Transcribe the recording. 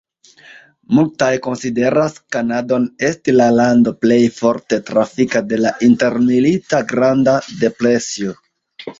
Multaj konsideras Kanadon esti la lando plej forte trafita de la intermilita Granda depresio.